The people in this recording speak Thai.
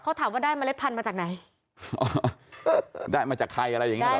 เขาถามว่าได้เมล็ดพันธุ์มาจากไหนอ๋อได้มาจากใครอะไรอย่างเงี้เหรอ